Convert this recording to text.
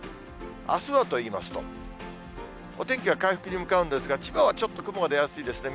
あすはといいますと、お天気は回復に向かうんですが、千葉はちょっと雲が出やすいですね。